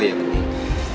oh iya bening